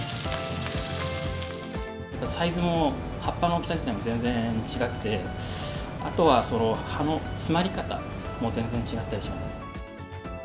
サイズも葉っぱの大きさ自体も全然ちがくて、あとは葉の詰まり方も全然違ったりしますね。